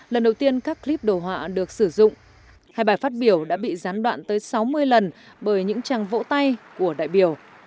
lần đầu tiên các clip đồ họa được sử dụng hai bài phát biểu đã bị gián đoạn tới sáu mươi lần bởi những trang vỗ tay của đại biểu